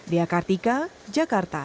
di akartika jakarta